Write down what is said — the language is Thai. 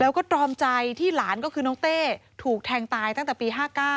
แล้วก็ตรอมใจที่หลานก็คือน้องเต้ถูกแทงตายตั้งแต่ปี๕๙